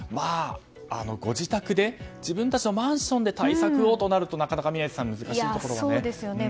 ご自宅で自分たちのマンションで対策をとなるとなかなか宮司さん難しいところがありますね。